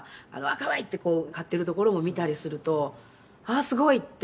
可愛い！って買ってるところを見たりするとああすごい！って